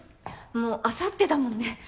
もうあさってだもんね